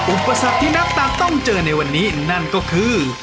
อุปสรรคที่นักตักต้องเจอในวันนี้นั่นก็คือ